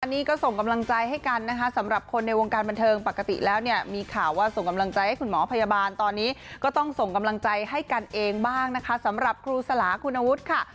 อันนี้ก็ส่งกำลังใจให้กันนะคะสำหรับคนในวงการบันเทิงปกติแล้วเนี่ยมีข่าวว่าส่งกำลังใจให้คุณหมอพยาบาลตอนนี้ก็ต้องส่งกำลังใจให้กันเองบ้างนะคะสำหรับครูสลาคุณวุฒิค่ะ